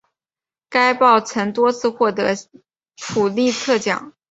该报曾多次获得普利策奖。